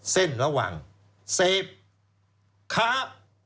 เส้นระหว่างเสพค้า